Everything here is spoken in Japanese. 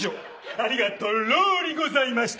ありがとろりございました。